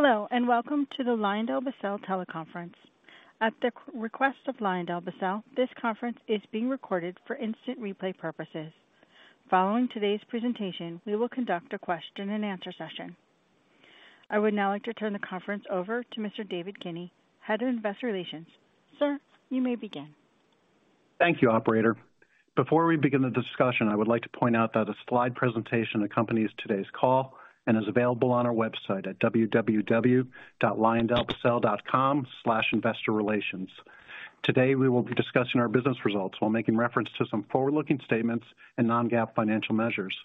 Hello, welcome to the LyondellBasell teleconference. At the request of LyondellBasell, this conference is being recorded for instant replay purposes. Following today's presentation, we will conduct a question-and-answer session. I would now like to turn the conference over to Mr. David Kinney, Head of Investor Relations. Sir, you may begin. Thank you, operator. Before we begin the discussion, I would like to point out that a slide presentation accompanies today's call and is available on our website at www.lyondellbasell.com/investorrelations. Today, we will be discussing our business results while making reference to some forward-looking statements and non-GAAP financial measures.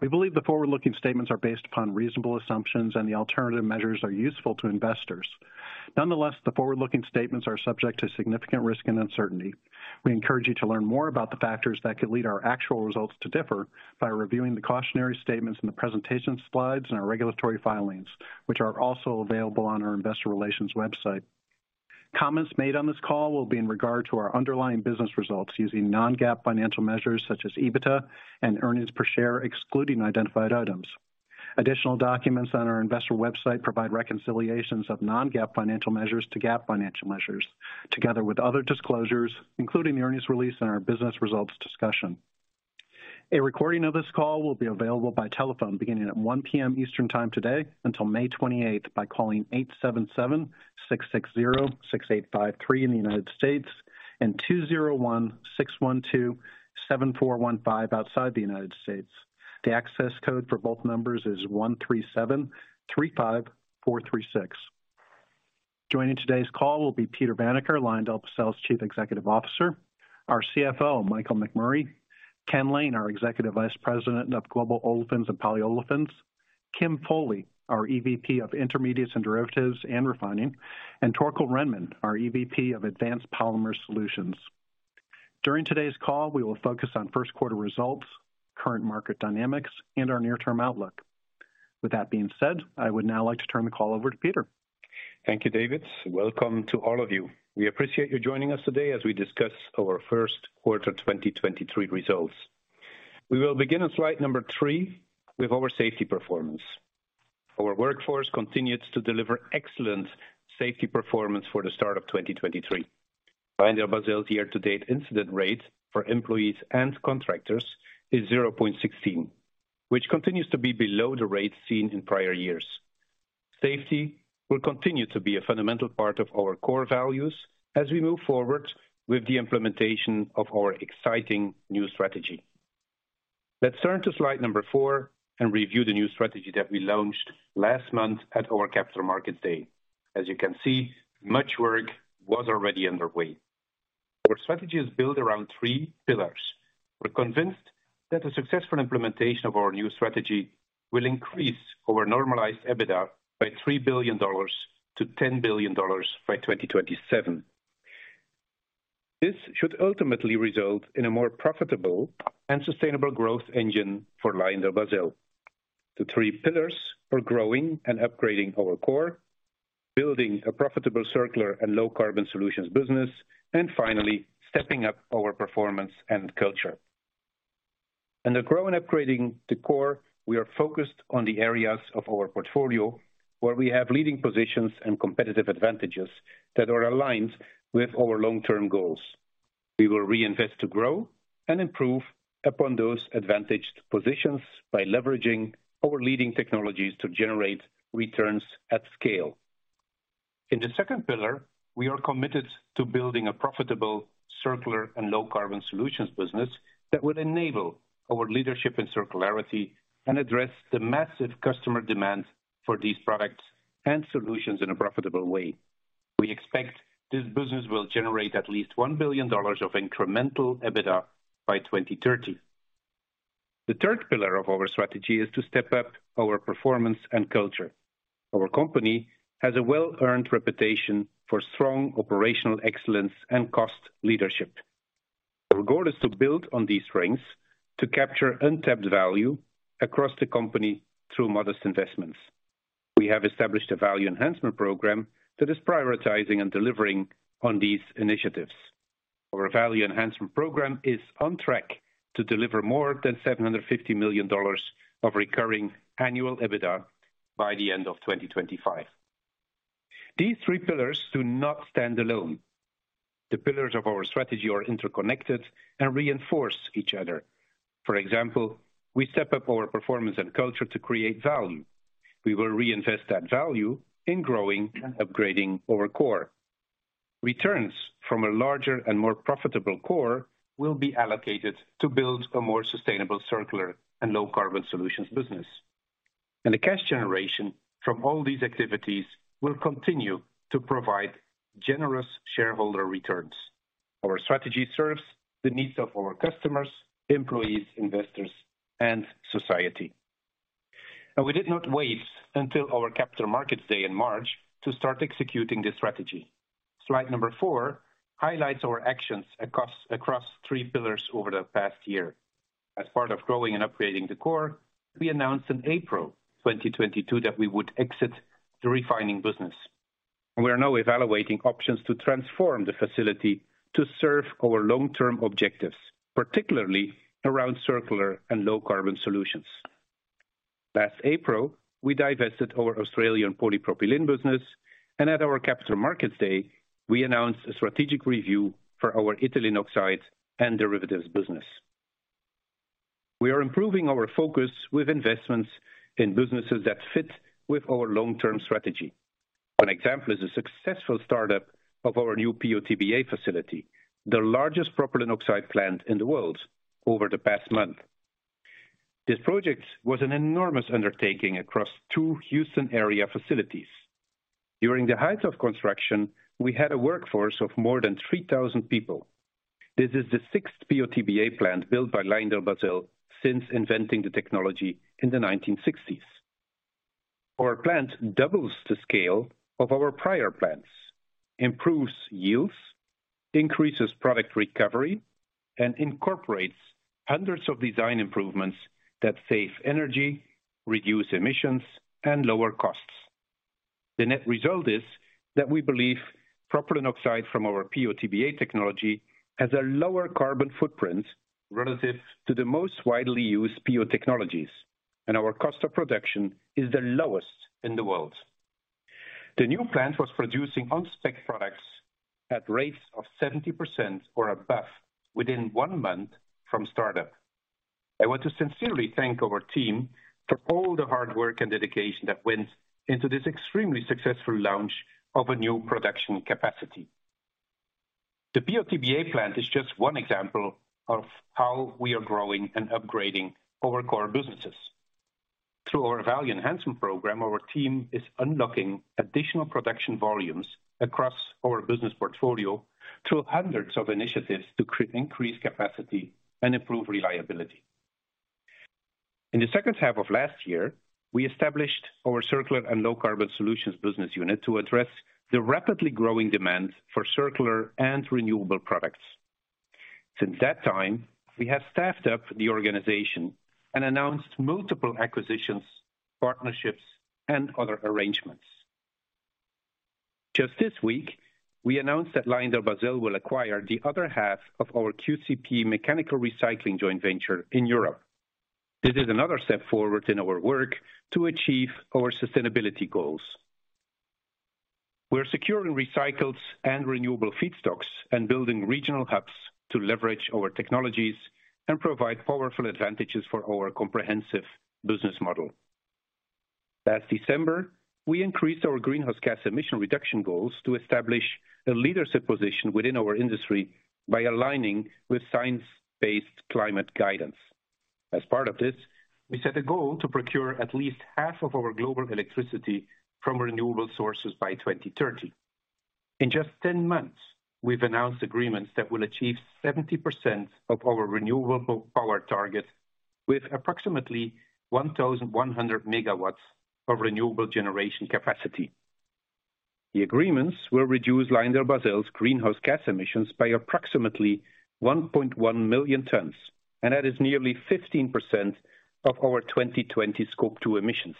We believe the forward-looking statements are based upon reasonable assumptions and the alternative measures are useful to investors. Nonetheless, the forward-looking statements are subject to significant risk and uncertainty. We encourage you to learn more about the factors that could lead our actual results to differ by reviewing the cautionary statements in the presentation slides and our regulatory filings, which are also available on our investor relations website. Comments made on this call will be in regard to our underlying business results using non-GAAP financial measures such as EBITDA and earnings per share, excluding identified items. Additional documents on our investor website provide reconciliations of non-GAAP financial measures to GAAP financial measures, together with other disclosures, including the earnings release in our business results discussion. A recording of this call will be available by telephone beginning at 1:00 P.M. Eastern Time today until May 28th by calling 877-660-6853 in the United States and 201-612-7415 outside the United States. The access code for both numbers is 13735436. Joining today's call will be Peter Vanacker, LyondellBasell's Chief Executive Officer, our CFO, Michael McMurray, Ken Lane, our Executive Vice President of Global Olefins and Polyolefins, Kim Foley, our EVP of Intermediates and Derivatives and Refining, and Torkel Rhenman, our EVP of Advanced Polymer Solutions. During today's call, we will focus on first quarter results, current market dynamics, and our near-term outlook. With that being said, I would now like to turn the call over to Peter. Thank you, David. Welcome to all of you. We appreciate you joining us today as we discuss our first quarter 2023 results. We will begin on slide number three with our safety performance. Our workforce continues to deliver excellent safety performance for the start of 2023. LyondellBasell's year-to-date incident rate for employees and contractors is 0.16, which continues to be below the rate seen in prior years. Safety will continue to be a fundamental part of our core values as we move forward with the implementation of our exciting new strategy. Let's turn to slide number four and review the new strategy that we launched last month at our Capital Market Day. As you can see, much work was already underway. Our strategy is built around three pillars. We're convinced that a successful implementation of our new strategy will increase our normalized EBITDA by $3 billion to $10 billion by 2027. This should ultimately result in a more profitable and sustainable growth engine for LyondellBasell. The three pillars are Growing and Upgrading Our Core, Building a Profitable Circular and Low-Carbon Solutions Business, and finally, Stepping Up Our Performance and Culture. Under Grow and Upgrading the Core, we are focused on the areas of our portfolio where we have leading positions and competitive advantages that are aligned with our long-term goals. We will reinvest to grow and improve upon those advantaged positions by leveraging our leading technologies to generate returns at scale. In the second pillar, we are committed to building a profitable Circular and Low Carbon Solutions business that would enable our leadership in circularity and address the massive customer demand for these products and solutions in a profitable way. We expect this business will generate at least $1 billion of incremental EBITDA by 2030. The third pillar of our strategy is to step up our performance and culture. Our company has a well-earned reputation for strong operational excellence and cost leadership. Our goal is to build on these strengths to capture untapped value across the company through modest investments. We have established a value enhancement program that is prioritizing and delivering on these initiatives. Our value enhancement program is on track to deliver more than $750 million of recurring annual EBITDA by the end of 2025. These three pillars do not stand alone. The pillars of our strategy are interconnected and reinforce each other. For example, we step up our performance and culture to create value. We will reinvest that value in growing and upgrading our core. Returns from a larger and more profitable core will be allocated to build a more sustainable Circular and Low Carbon Solutions business. The cash generation from all these activities will continue to provide generous shareholder returns. Our strategy serves the needs of our customers, employees, investors, and society. We did not wait until our Capital Markets Day in March to start executing this strategy. Slide number four highlights our actions across three pillars over the past year. As part of growing and upgrading the core, we announced in April 2022 that we would exit the refining business. We are now evaluating options to transform the facility to serve our long-term objectives, particularly around circular and low carbon solutions. Last April, we divested our Australian polypropylene business, and at our Capital Markets Day, we announced a strategic review for our ethylene oxide and derivatives business. We are improving our focus with investments in businesses that fit with our long-term strategy. An example is a successful startup of our new PO-TBA facility, the largest propylene oxide plant in the world over the past month. This project was an enormous undertaking across two Houston-area facilities. During the height of construction, we had a workforce of more than 3,000 people. This is the sixth PO-TBA plant built by LyondellBasell since inventing the technology in the 1960s. Our plant doubles the scale of our prior plants, improves yields, increases product recovery, and incorporates hundreds of design improvements that save energy, reduce emissions, and lower costs. The net result is that we believe propylene oxide from our PO-TBA technology has a lower carbon footprint relative to the most widely used PO technologies, and our cost of production is the lowest in the world. The new plant was producing on-spec products at rates of 70% or above within one month from startup. I want to sincerely thank our team for all the hard work and dedication that went into this extremely successful launch of a new production capacity. The PO-TBA plant is just one example of how we are growing and upgrading our core businesses. Through our value enhancement program, our team is unlocking additional production volumes across our business portfolio through hundreds of initiatives to increase capacity and improve reliability. In the second half of last year, we established our Circular and Low Carbon Solutions business unit to address the rapidly growing demand for circular and renewable products. Since that time, we have staffed up the organization and announced multiple acquisitions, partnerships, and other arrangements. Just this week, we announced that LyondellBasell will acquire the other half of our QCP mechanical recycling joint venture in Europe. This is another step forward in our work to achieve our sustainability goals. We're securing recycled and renewable feedstocks and building regional hubs to leverage our technologies and provide powerful advantages for our comprehensive business model. Last December, we increased our greenhouse gas emission reduction goals to establish a leadership position within our industry by aligning with science-based climate guidance. Part of this, we set a goal to procure at least half of our global electricity from renewable sources by 2030. In just 10 months, we've announced agreements that will achieve 70% of our renewable power target with approximately 1,100 megawatts of renewable generation capacity. The agreements will reduce LyondellBasell's greenhouse gas emissions by approximately 1.1 million tons, that is nearly 15% of our 2020 Scope two emissions.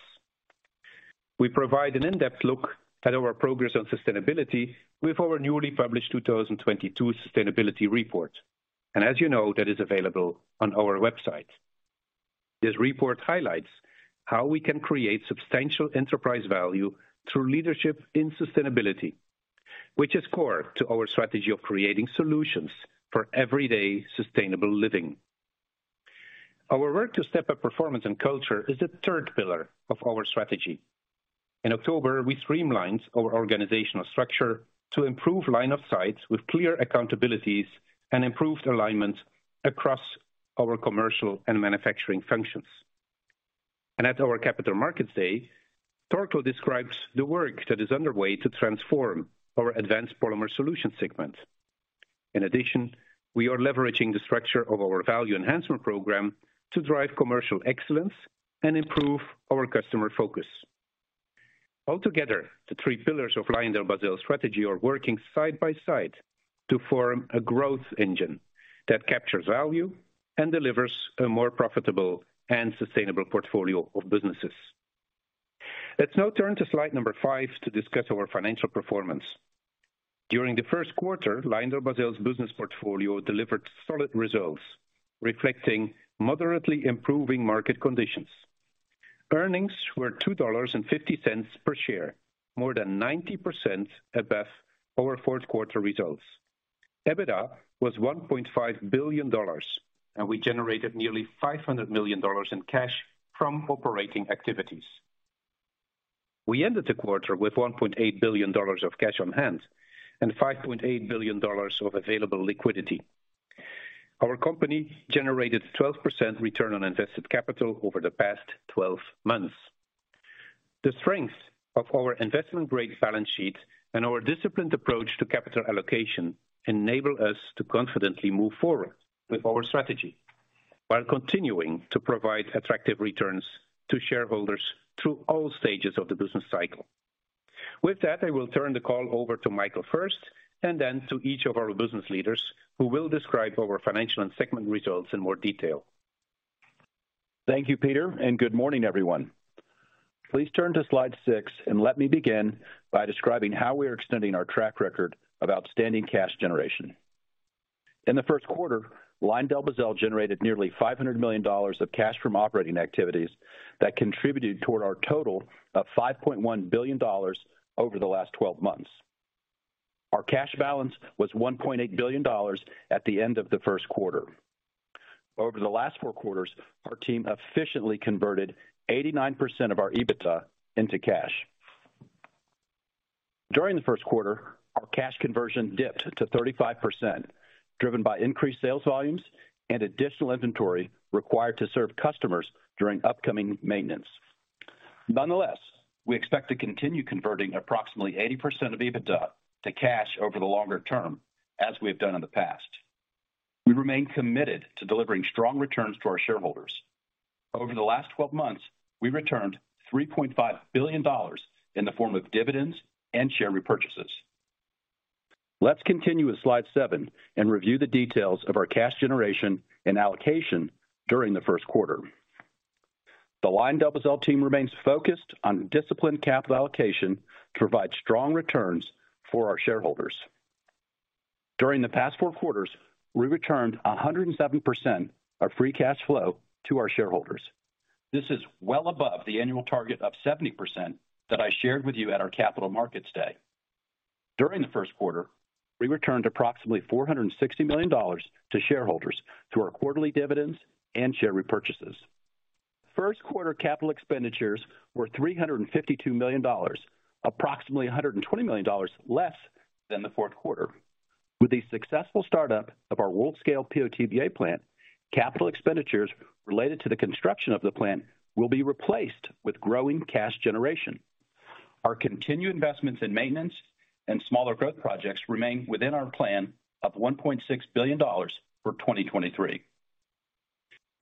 We provide an in-depth look at our progress on sustainability with our newly published 2022 sustainability report, as you know, that is available on our website. This report highlights how we can create substantial enterprise value through leadership in sustainability, which is core to our strategy of creating solutions for everyday sustainable living. Our work to step up performance and culture is the third pillar of our strategy. In October, we streamlined our organizational structure to improve line of sight with clear accountabilities and improved alignment across our commercial and manufacturing functions. At our Capital Markets Day, Torkel describes the work that is underway to transform our Advanced Polymer Solutions segment. In addition, we are leveraging the structure of our value enhancement program to drive commercial excellence and improve our customer focus. Altogether, the three pillars of LyondellBasell's strategy are working side by side to form a growth engine that captures value and delivers a more profitable and sustainable portfolio of businesses. Let's now turn to slide number five to discuss our financial performance. During the first quarter, LyondellBasell's business portfolio delivered solid results, reflecting moderately improving market conditions. Earnings were $2.50 per share, more than 90% above our fourth quarter results. EBITDA was $1.5 billion, and we generated nearly $500 million in cash from operating activities. We ended the quarter with $1.8 billion of cash on hand and $5.8 billion of available liquidity. Our company generated 12% return on invested capital over the past 12 months. The strength of our investment-grade balance sheet and our disciplined approach to capital allocation enable us to confidently move forward with our strategy while continuing to provide attractive returns to shareholders through all stages of the business cycle. With that, I will turn the call over to Michael first and then to each of our business leaders who will describe our financial and segment results in more detail. Thank you, Peter. Good morning, everyone. Please turn to slide six and let me begin by describing how we are extending our track record of outstanding cash generation. In the first quarter, LyondellBasell generated nearly $500 million of cash from operating activities that contributed toward our total of $5.1 billion over the last 12 months. Our cash balance was $1.8 billion at the end of the first quarter. Over the last four quarters, our team efficiently converted 89% of our EBITDA into cash. During the first quarter, our cash conversion dipped to 35%, driven by increased sales volumes and additional inventory required to serve customers during upcoming maintenance. Nonetheless, we expect to continue converting approximately 80% of EBITDA to cash over the longer term as we have done in the past. We remain committed to delivering strong returns to our shareholders. Over the last 12 months, we returned $3.5 billion in the form of dividends and share repurchases. Let's continue with Slide seven and review the details of our cash generation and allocation during the first quarter. The LyondellBasell team remains focused on disciplined capital allocation to provide strong returns for our shareholders. During the past four quarters, we returned 107% of free cash flow to our shareholders. This is well above the annual target of 70% that I shared with you at our Capital Markets Day. During the first quarter, we returned approximately $460 million to shareholders through our quarterly dividends and share repurchases. First quarter capital expenditures were $352 million, approximately $120 million less than the fourth quarter. With the successful startup of our world-scale POTBA plant, capital expenditures related to the construction of the plant will be replaced with growing cash generation. Our continued investments in maintenance and smaller growth projects remain within our plan of $1.6 billion for 2023.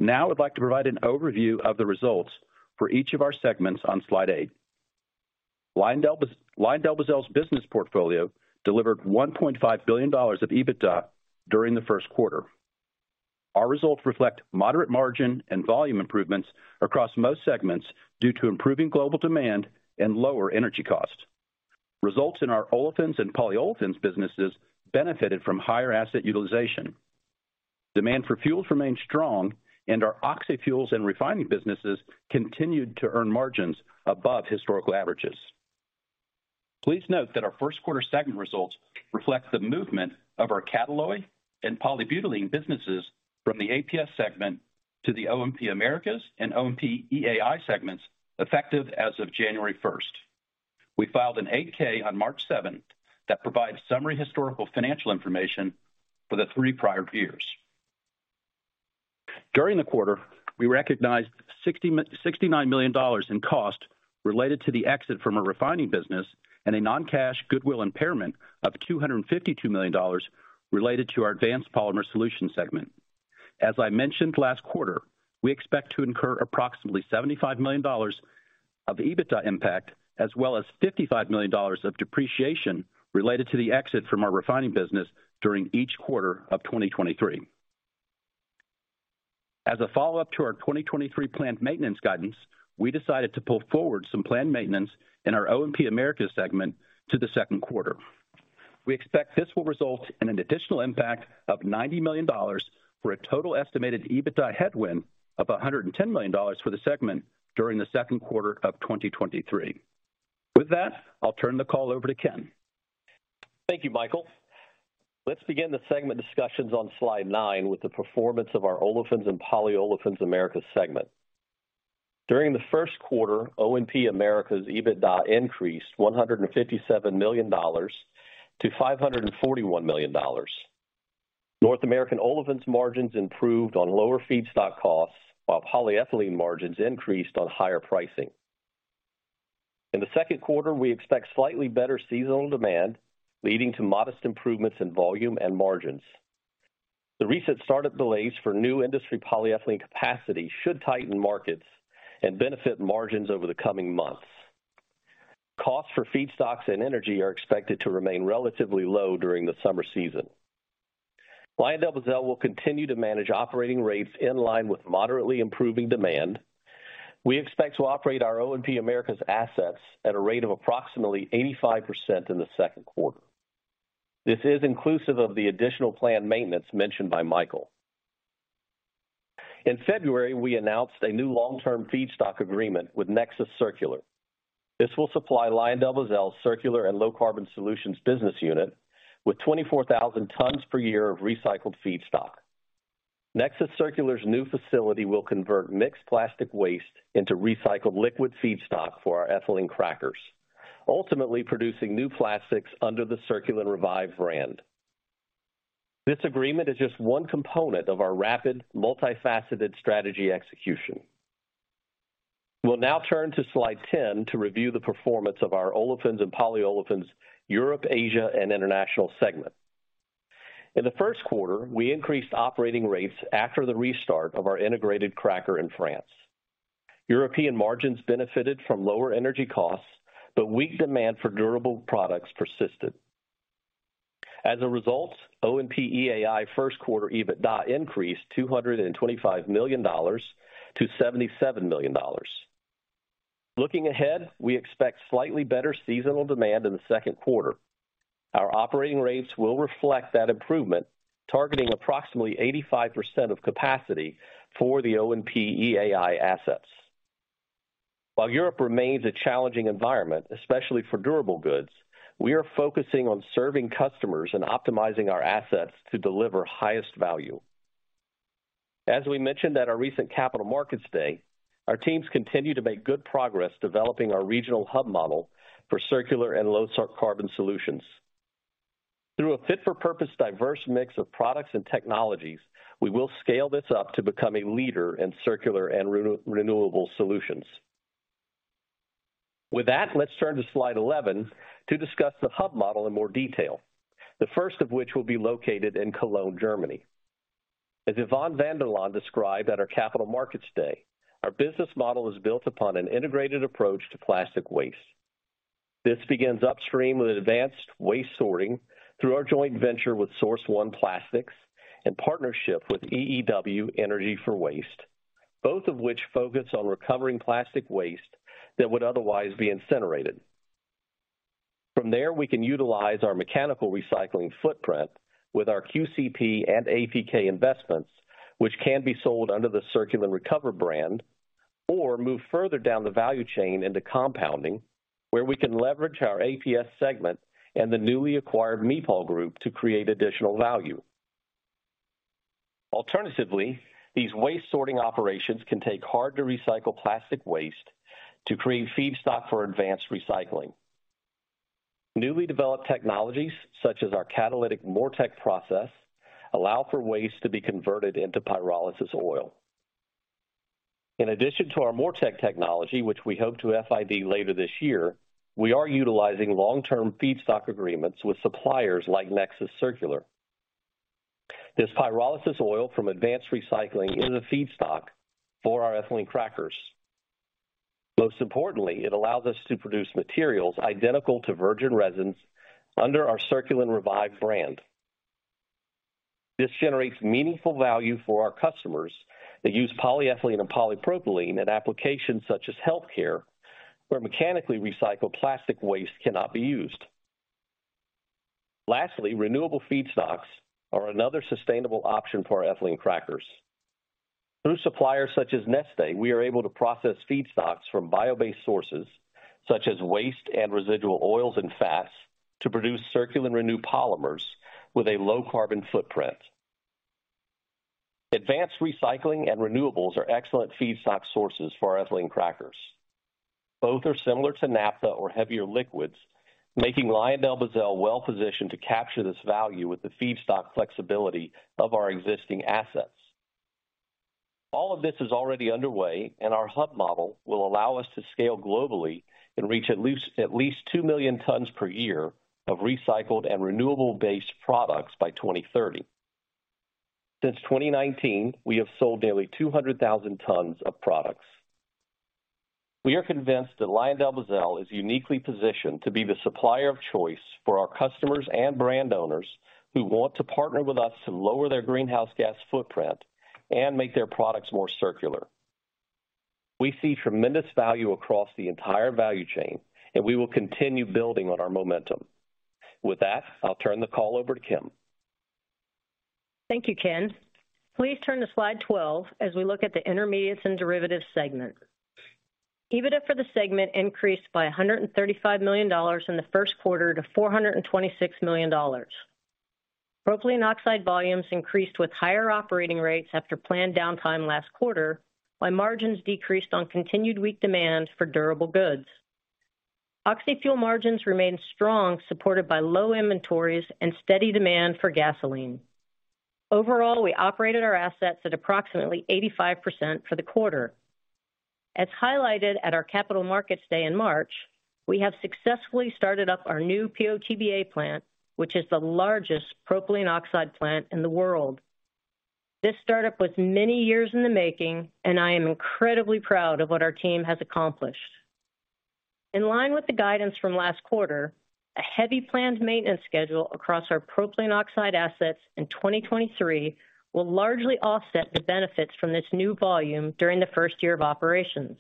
I'd like to provide an overview of the results for each of our segments on slide eight. LyondellBasell's business portfolio delivered $1.5 billion of EBITDA during the first quarter. Our results reflect moderate margin and volume improvements across most segments due to improving global demand and lower energy costs. Results in our olefins and polyolefins businesses benefited from higher asset utilization. Demand for fuels remained strong and our oxyfuels and refining businesses continued to earn margins above historical averages. Please note that our first quarter segment results reflect the movement of our Catalloy and polybutene-1 businesses from the APS segment to the O&P-Americas and O&P-EAI segments effective as of January first. We filed an 8-K on March seventh that provides summary historical financial information for the threee prior years. During the quarter, we recognized $69 million in costs related to the exit from a refining business and a non-cash goodwill impairment of $252 million related to our Advanced Polymer Solutions segment. As I mentioned last quarter, we expect to incur approximately $75 million of EBITDA impact as well as $55 million of depreciation related to the exit from our refining business during each quarter of 2023. As a follow-up to our 2023 planned maintenance guidance, we decided to pull forward some planned maintenance in our O&P-Americas segment to the second quarter. We expect this will result in an additional impact of $90 million for a total estimated EBITDA headwind of $110 million for the segment during the second quarter of 2023. With that, I'll turn the call over to Ken. Thank you, Michael. Let's begin the segment discussions on slide nine with the performance of our Olefins and Polyolefins Americas segment. During the first quarter, O&P Americas EBITDA increased $157 million to $541 million. North American Olefins margins improved on lower feedstock costs, while polyethylene margins increased on higher pricing. In the second quarter, we expect slightly better seasonal demand, leading to modest improvements in volume and margins. The recent startup delays for new industry polyethylene capacity should tighten markets and benefit margins over the coming months. Costs for feedstocks and energy are expected to remain relatively low during the summer season. LyondellBasell will continue to manage operating rates in line with moderately improving demand. We expect to operate our O&P Americas assets at a rate of approximately 85% in the second quarter. This is inclusive of the additional planned maintenance mentioned by Michael. In February, we announced a new long-term feedstock agreement with Nexus Circular. This will supply LyondellBasell's Circular and Low Carbon Solutions business unit with 24,000 tons per year of recycled feedstock. Nexus Circular's new facility will convert mixed plastic waste into recycled liquid feedstock for our ethylene crackers, ultimately producing new plastics under the CirculenRevive brand. This agreement is just one component of our rapid, multifaceted strategy execution. We'll now turn to slide 10 to review the performance of our Olefins and Polyolefins Europe, Asia and International segment. In the first quarter, we increased operating rates after the restart of our integrated cracker in France. European margins benefited from lower energy costs, weak demand for durable products persisted. As a result, O&PEAI first quarter EBITDA increased $225 million to $77 million. Looking ahead, we expect slightly better seasonal demand in the second quarter. Our operating rates will reflect that improvement, targeting approximately 85% of capacity for the O&PEAI assets. While Europe remains a challenging environment, especially for durable goods, we are focusing on serving customers and optimizing our assets to deliver highest value. As we mentioned at our recent Capital Markets Day, our teams continue to make good progress developing our regional hub model for circular and low carbon solutions. Through a fit-for-purpose diverse mix of products and technologies, we will scale this up to become a leader in circular and re-renewable solutions. With that, let's turn to slide 11 to discuss the hub model in more detail, the first of which will be located in Cologne, Germany. As Yvan Vander Linden described at our Capital Markets Day, our business model is built upon an integrated approach to plastic waste. This begins upstream with advanced waste sorting through our joint venture with Source One Plastics and partnership with EEW Energy from Waste, both of which focus on recovering plastic waste that would otherwise be incinerated. From there, we can utilize our mechanical recycling footprint with our QCP and APK investments, which can be sold under the CirculenRecover brand, or move further down the value chain into compounding, where we can leverage our APS segment and the newly acquired Mepol Group to create additional value. Alternatively, these waste sorting operations can take hard-to-recycle plastic waste to create feedstock for advanced recycling. Newly developed technologies, such as our catalytic MoReTec process, allow for waste to be converted into pyrolysis oil. In addition to our MoReTec technology, which we hope to FID later this year, we are utilizing long-term feedstock agreements with suppliers like Nexus Circular. This pyrolysis oil from advanced recycling is a feedstock for our ethylene crackers. Most importantly, it allows us to produce materials identical to virgin resins under our CirculenRevive brand. This generates meaningful value for our customers that use polyethylene and polypropylene in applications such as healthcare, where mechanically recycled plastic waste cannot be used. Lastly, renewable feedstocks are another sustainable option for our ethylene crackers. Through suppliers such as Neste, we are able to process feedstocks from bio-based sources, such as waste and residual oils and fats, to produce CirculenRenew polymers with a low carbon footprint. Advanced recycling and renewables are excellent feedstock sources for our ethylene crackers. Both are similar to naphtha or heavier liquids, making LyondellBasell well-positioned to capture this value with the feedstock flexibility of our existing assets. All of this is already underway. Our hub model will allow us to scale globally and reach at least 2 million tons per year of recycled and renewable-based products by 2030. Since 2019, we have sold nearly 200,000 tons of products. We are convinced that LyondellBasell is uniquely positioned to be the supplier of choice for our customers and brand owners who want to partner with us to lower their greenhouse gas footprint and make their products more circular. We see tremendous value across the entire value chain. We will continue building on our momentum. With that, I'll turn the call over to Kim. Thank you, Ken. Please turn to slide 12 as we look at the Intermediates and Derivatives segment. EBITDA for the segment increased by $135 million in the first quarter to $426 million. Propylene oxide volumes increased with higher operating rates after planned downtime last quarter, while margins decreased on continued weak demand for durable goods. Oxyfuel margins remained strong, supported by low inventories and steady demand for gasoline. Overall, we operated our assets at approximately 85% for the quarter. As highlighted at our Capital Markets Day in March, we have successfully started up our new PO-TBA plant, which is the largest propylene oxide plant in the world. This startup was many years in the making, and I am incredibly proud of what our team has accomplished. In line with the guidance from last quarter, a heavy planned maintenance schedule across our propylene oxide assets in 2023 will largely offset the benefits from this new volume during the first year of operations.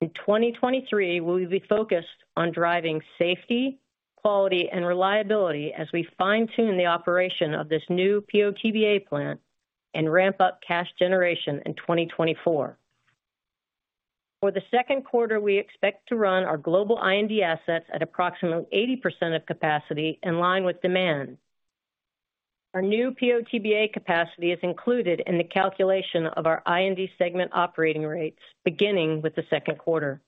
In 2023, we will be focused on driving safety, quality, and reliability as we fine-tune the operation of this new PO-TBA plant and ramp up cash generation in 2024. For the second quarter, we expect to run our global IND assets at approximately 80% of capacity in line with demand. Our new PO-TBA capacity is included in the calculation of our IND segment operating rates beginning with the second quarter.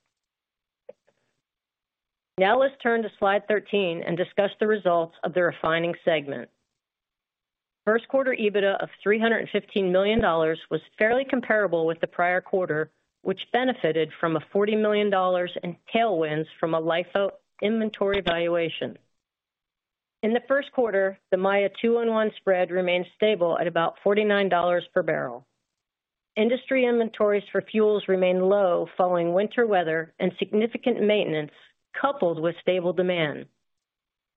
Let's turn to slide 13 and discuss the results of the refining segment. First quarter EBITDA of $315 million was fairly comparable with the prior quarter, which benefited from a $40 million in tailwinds from a LIFO inventory valuation. In the first quarter, the Maya 2-1-1 spread remained stable at about $49 per barrel. Industry inventories for fuels remain low following winter weather and significant maintenance coupled with stable demand.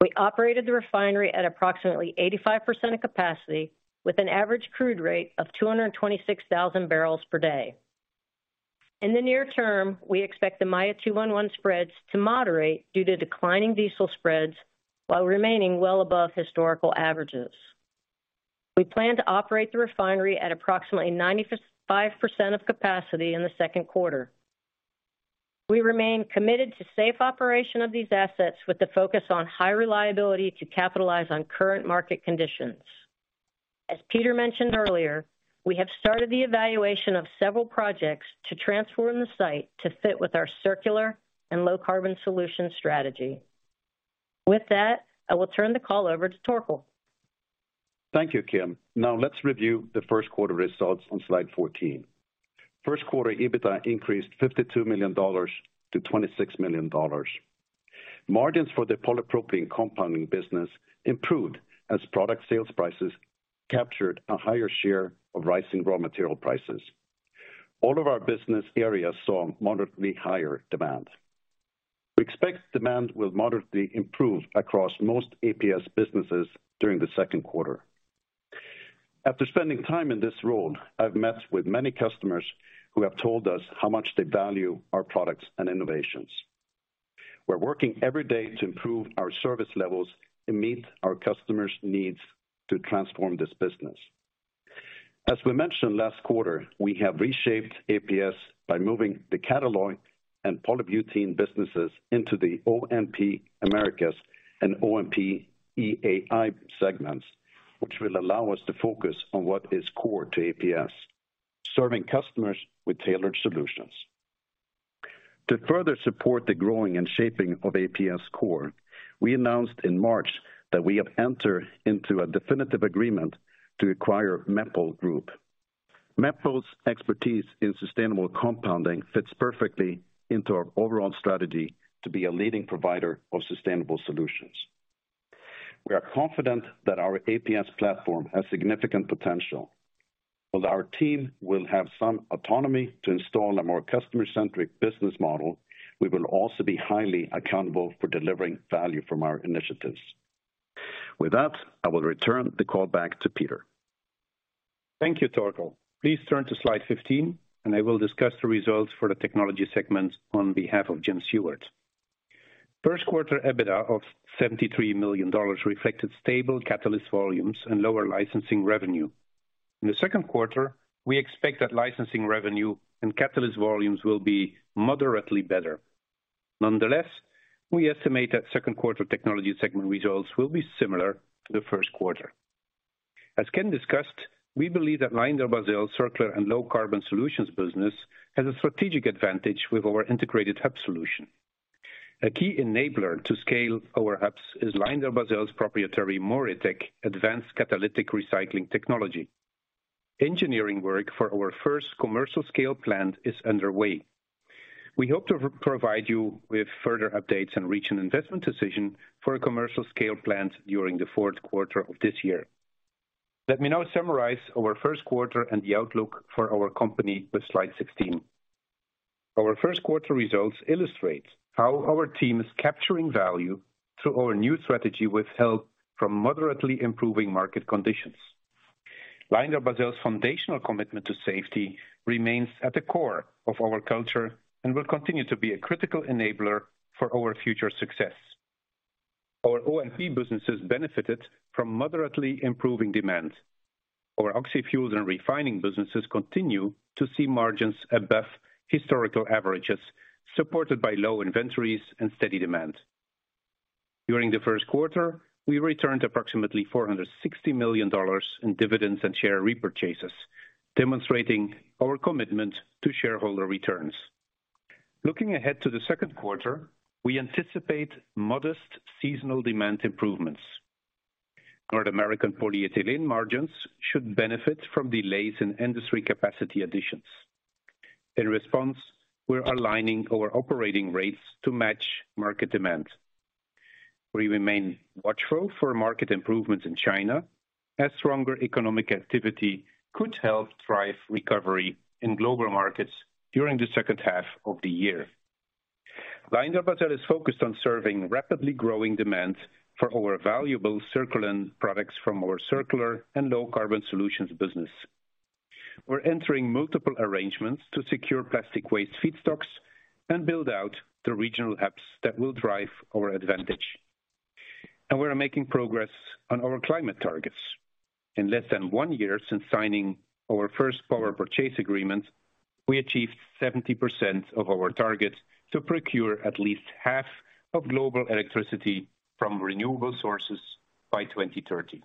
We operated the refinery at approximately 85% of capacity with an average crude rate of 226,000 barrels per day. In the near term, we expect the Maya 2-1-1 spreads to moderate due to declining diesel spreads while remaining well above historical averages. We plan to operate the refinery at approximately 95% of capacity in the second quarter. We remain committed to safe operation of these assets with the focus on high reliability to capitalize on current market conditions. As Peter mentioned earlier, we have started the evaluation of several projects to transform the site to fit with our circular and low-carbon solution strategy. With that, I will turn the call over to Torkel. Thank you, Kim. Let's review the first quarter results on slide 14. First quarter EBITDA increased $52 million to $26 million. Margins for the polypropylene compounding business improved as product sales prices captured a higher share of rising raw material prices. All of our business areas saw moderately higher demand. We expect demand will moderately improve across most APS businesses during the second quarter. After spending time in this role, I've met with many customers who have told us how much they value our products and innovations. We're working every day to improve our service levels and meet our customers' needs to transform this business. As we mentioned last quarter, we have reshaped APS by moving the Catalloy and polybutene businesses into the OMP Americas and OMP EAI segments, which will allow us to focus on what is core to APS, serving customers with tailored solutions. To further support the growing and shaping of APS core, we announced in March that we have entered into a definitive agreement to acquire Mepol Group. Mepol's expertise in sustainable compounding fits perfectly into our overall strategy to be a leading provider of sustainable solutions. We are confident that our APS platform has significant potential. While our team will have some autonomy to install a more customer-centric business model, we will also be highly accountable for delivering value from our initiatives. With that, I will return the call back to Peter. Thank you, Torkel. Please turn to slide 15, and I will discuss the results for the technology segment on behalf of Jim Seward. First quarter EBITDA of $73 million reflected stable catalyst volumes and lower licensing revenue. In the second quarter, we expect that licensing revenue and catalyst volumes will be moderately better. Nonetheless, we estimate that second quarter technology segment results will be similar to the first quarter. As Ken discussed, we believe that LyondellBasell's Circular and Low Carbon Solutions business has a strategic advantage with our integrated hub solution. A key enabler to scale our hubs is LyondellBasell's proprietary MoReTec advanced catalytic recycling technology. Engineering work for our first commercial scale plant is underway. We hope to provide you with further updates and reach an investment decision for a commercial scale plant during the fourth quarter of this year. Let me now summarize our first quarter and the outlook for our company with slide 16. Our first quarter results illustrate how our team is capturing value through our new strategy with help from moderately improving market conditions. LyondellBasell's foundational commitment to safety remains at the core of our culture and will continue to be a critical enabler for our future success. Our OMP businesses benefited from moderately improving demand. Our oxyfuels and refining businesses continue to see margins above historical averages, supported by low inventories and steady demand. During the first quarter, we returned approximately $460 million in dividends and share repurchases, demonstrating our commitment to shareholder returns. Looking ahead to the second quarter, we anticipate modest seasonal demand improvements. North American polyethylene margins should benefit from delays in industry capacity additions. In response, we're aligning our operating rates to match market demand. We remain watchful for market improvements in China as stronger economic activity could help drive recovery in global markets during the second half of the year. LyondellBasell is focused on serving rapidly growing demand for our valuable Circulen products from our Circular and Low Carbon Solutions business. We're entering multiple arrangements to secure plastic waste feedstocks and build out the regional hubs that will drive our advantage. We're making progress on our climate targets. In less than one year since signing our first power purchase agreement, we achieved 70% of our target to procure at least half of global electricity from renewable sources by 2030.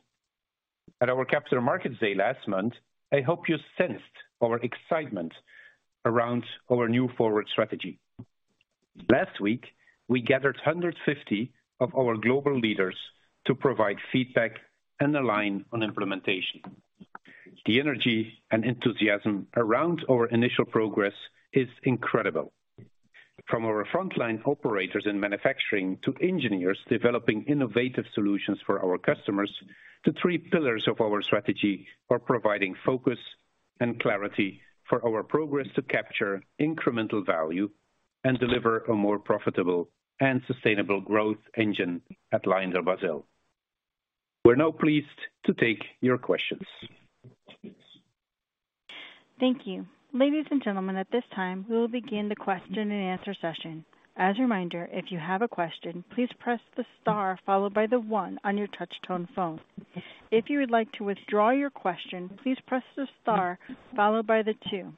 At our Capital Markets Day last month, I hope you sensed our excitement around our new forward strategy. Last week, we gathered 150 of our global leaders to provide feedback and align on implementation. The energy and enthusiasm around our initial progress is incredible. From our frontline operators in manufacturing to engineers developing innovative solutions for our customers, the three pillars of our strategy are providing focus and clarity for our progress to capture incremental value and deliver a more profitable and sustainable growth engine at LyondellBasell. We're now pleased to take your questions. Thank you. Ladies and gentlemen, at this time, we will begin the question and answer session. As a reminder, if you have a question, please press the star followed by the one on your touch tone phone. If you would like to withdraw your question, please press the star followed by the two.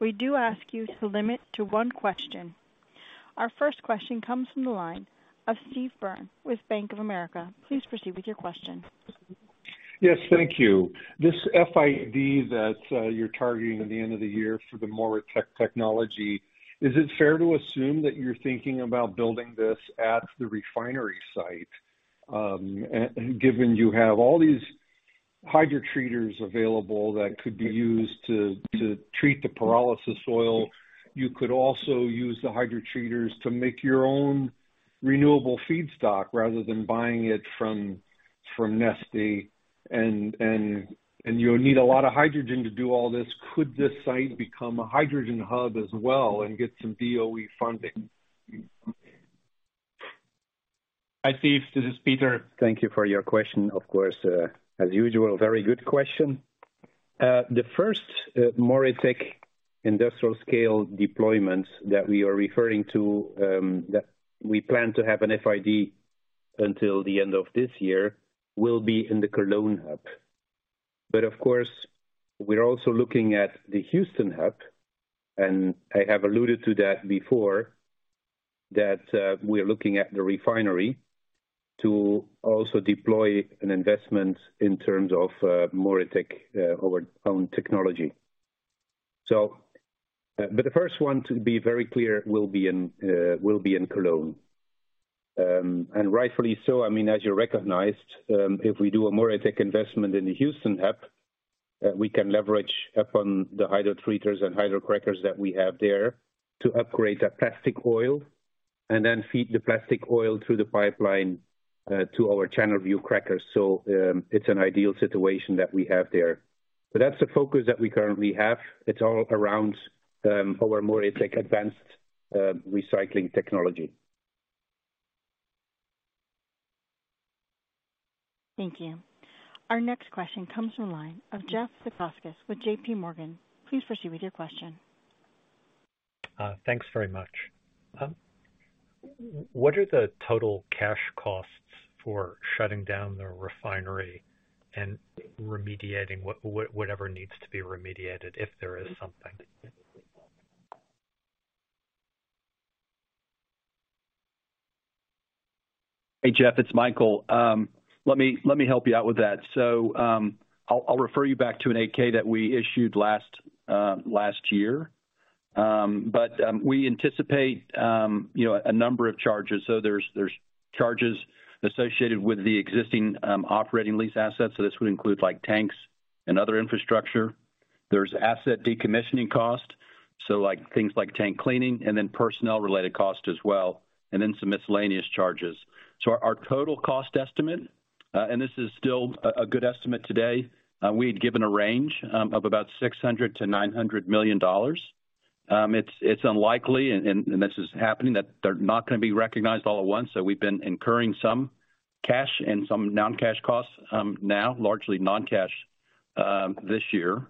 We do ask you to limit to one question. Our first question comes from the line of Steve Byrne with Bank of America. Please proceed with your question. Yes, thank you. This FID that you're targeting at the end of the year for the MoReTec technology, is it fair to assume that you're thinking about building this at the refinery site? Given you have all these hydrotreaters available that could be used to treat the pyrolysis oil, you could also use the hydrotreaters to make your own renewable feedstock rather than buying it from Neste. You'll need a lot of hydrogen to do all this. Could this site become a hydrogen hub as well and get some DOE funding? Hi, Steve, this is Peter. Thank you for your question. Of course, as usual, very good question. The first MoReTec industrial scale deployments that we are referring to, that we plan to have an FID until the end of this year will be in the Cologne hub. Of course, we're also looking at the Houston hub, and I have alluded to that before, that we're looking at the refinery to also deploy an investment in terms of MoReTec, our own technology. The first one, to be very clear, will be in Cologne. Rightfully so. I mean, as you recognized, if we do a MoReTec investment in the Houston hub, we can leverage upon the hydrotreaters and hydrocrackers that we have there to upgrade that plastic oil and then feed the plastic oil through the pipeline to our Channelview crackers. It's an ideal situation that we have there. That's the focus that we currently have. It's all around our MoReTec advanced recycling technology. Thank you. Our next question comes from line of Jeff Zekauskas with J.P. Morgan. Please proceed with your question. Thanks very much. What are the total cash costs for shutting down the refinery and remediating whatever needs to be remediated, if there is something? Hey, Jeff, it's Michael. Let me help you out with that. I'll refer you back to an 8-K that we issued last year. We anticipate, you know, a number of charges. There's charges associated with the existing operating lease assets. This would include like, tanks and other infrastructure. There's asset decommissioning cost, like, things like tank cleaning and then personnel related cost as well, and then some miscellaneous charges. Our total cost estimate, and this is still a good estimate today, we'd given a range of about $600 million-$900 million. It's unlikely, and this is happening, that they're not gonna be recognized all at once. We've been incurring some cash and some non-cash costs, now, largely non-cash, this year.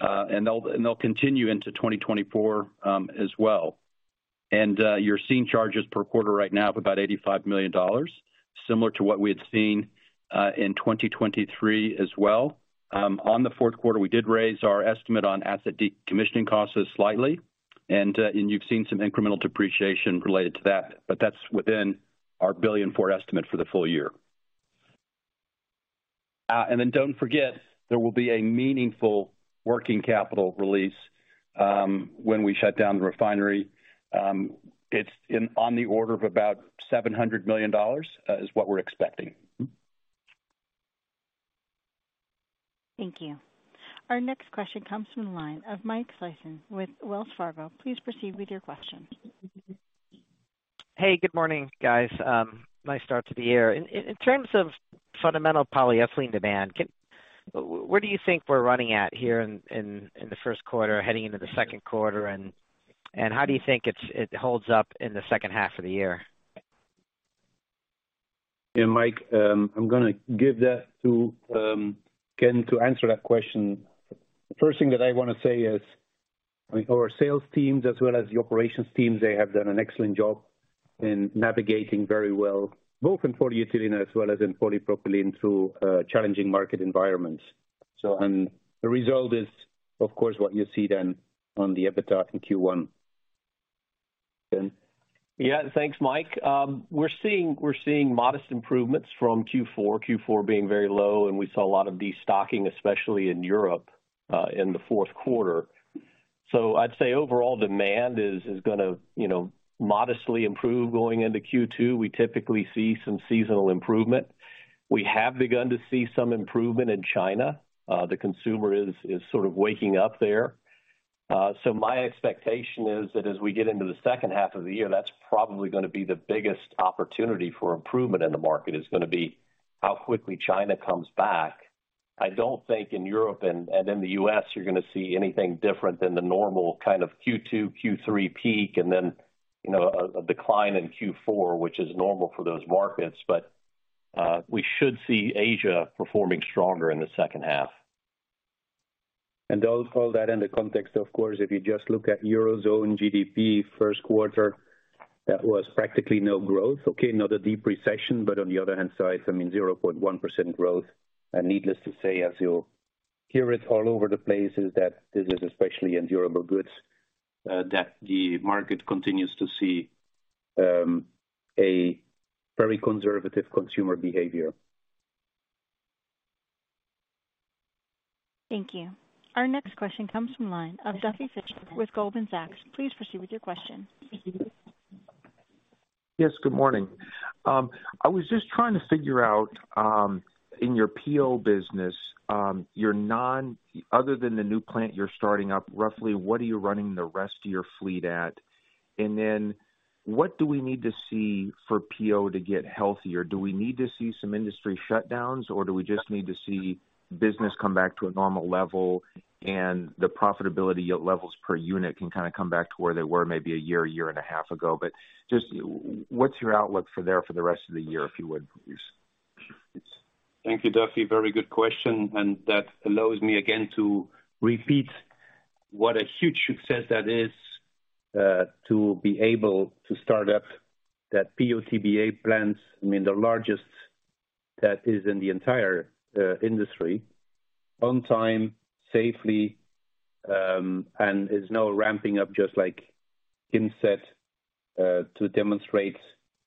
And they'll continue into 2024 as well. You're seeing charges per quarter right now of about $85 million, similar to what we had seen in 2023 as well. On the fourth quarter, we did raise our estimate on asset decommissioning costs slightly. And you've seen some incremental depreciation related to that. That's within our billion forward estimate for the full year. Don't forget there will be a meaningful working capital release when we shut down the refinery. It's on the order of about $700 million is what we're expecting. Thank you. Our next question comes from the line of Mike Sison with Wells Fargo. Please proceed with your question. Hey, good morning, guys. Nice start to the year. In terms of fundamental polyethylene demand, where do you think we're running at here in the first quarter, heading into the second quarter? How do you think it holds up in the second half of the year? Yeah, Mike, I'm gonna give that to Ken to answer that question. First thing that I wanna say is our sales teams as well as the operations teams, they have done an excellent job in navigating very well both in polyethylene as well as in polypropylene through challenging market environments. The result is, of course, what you see then on the EBITDA in Q1. Ken. Yeah. Thanks, Mike. We're seeing modest improvements from Q4. Q4 being very low, we saw a lot of destocking, especially in Europe, in the fourth quarter. I'd say overall demand is gonna, you know, modestly improve going into Q2. We typically see some seasonal improvement. We have begun to see some improvement in China. The consumer is sort of waking up there. My expectation is that as we get into the second half of the year, that's probably gonna be the biggest opportunity for improvement in the market, is gonna be how quickly China comes back. I don't think in Europe and in the U.S., you're gonna see anything different than the normal kind of Q2, Q3 peak, and then, you know, a decline in Q4, which is normal for those markets. We should see Asia performing stronger in the second half. All that in the context, of course, if you just look at Eurozone GDP first quarter, that was practically no growth. Okay, not a deep recession, but on the other hand side, I mean 0.1% growth. Needless to say, as you'll hear it all over the place, is that this is especially in durable goods that the market continues to see a very conservative consumer behavior. Thank you. Our next question comes from line of Duffy Fischer with Goldman Sachs. Please proceed with your question. Yes, good morning. I was just trying to figure out, in your PO business, other than the new plant you're starting up, roughly what are you running the rest of your fleet at? What do we need to see for PO to get healthier? Do we need to see some industry shutdowns, or do we just need to see business come back to a normal level and the profitability levels per unit can kinda come back to where they were maybe a year, a year and a half ago? Just what's your outlook for there for the rest of the year, if you would, please? Thank you, Duffy. Very good question. That allows me again to repeat what a huge success that is to be able to start up that PO-TBA plant. I mean, the largest that is in the entire industry, on time, safely, and is now ramping up just like Kim said to demonstrate,